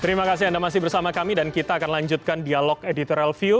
terima kasih anda masih bersama kami dan kita akan lanjutkan dialog editorial view